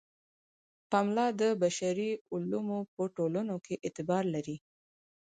پملا د بشري علومو په ټولنو کې اعتبار لري.